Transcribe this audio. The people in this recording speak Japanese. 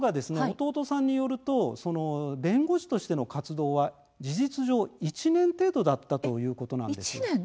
弟さんによると弁護士としての活動は事実上、１年程度だったという１年？